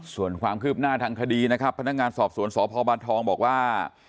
ส่วนความคืบหน้าทางคดีนะครับพนักงานสอบสวนสพบทองบอกว่า